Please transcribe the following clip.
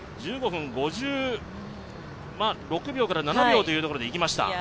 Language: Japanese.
１５分５６秒から５７秒というところでいきました。